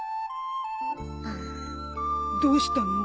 どうしたの？